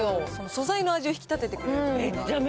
素材の味を引き立ててくれる。